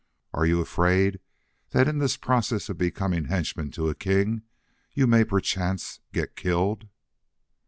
Are you afraid that in this process of becoming henchman to a king you may perchance get killed?"